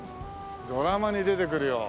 ドラマに出てくるよ。